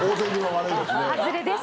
外れです